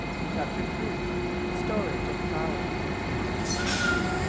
CHAPTER III. STORAGE OF POWER.